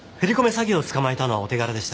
詐欺を捕まえたのはお手柄でした。